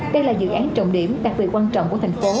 đây là dự án trọng điểm đặc biệt quan trọng của thành phố